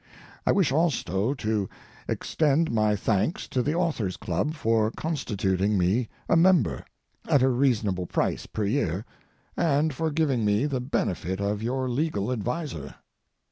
I wish also to extend my thanks to the Authors' Club for constituting me a member, at a reasonable price per year, and for giving me the benefit of your legal adviser.